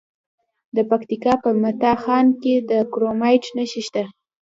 د پکتیکا په متا خان کې د کرومایټ نښې شته.